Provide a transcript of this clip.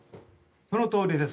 そのとおりです。